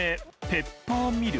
ペッパーミル。